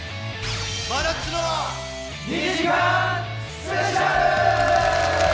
真夏の２時間スペシャル！